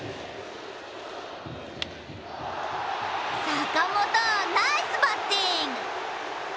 坂本、ナイスバッティング！